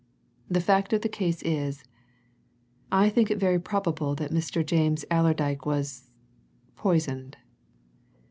The fact of the case is, I think it very possible that Mr. James Allerdyke was poisoned."